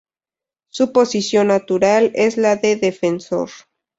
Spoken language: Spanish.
Su posición natural es la de defensor.